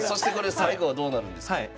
最後はどうなるんですか？